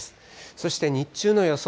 そして日中の予想